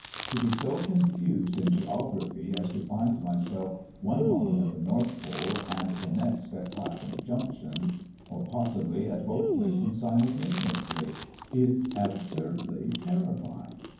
To be so confused in geography as to find myself one moment at the North Pole, and the next at Clapham Junction or possibly at both places simultaneously is absurdly terrifying.